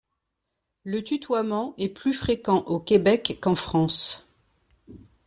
Le tutoiement est plus fréquent au Québec qu'en France.